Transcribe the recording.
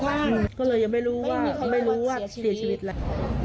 ก็เลยยังไม่รู้ว่าเสียชีวิตอะไร